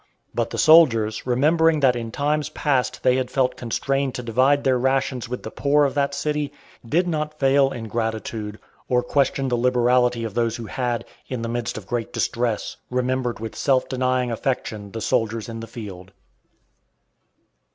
But the soldiers, remembering that in times past they had felt constrained to divide their rations with the poor of that city, did not fail in gratitude, or question the liberality of those who had, in the midst of great distress, remembered with self denying affection the soldiers in the field.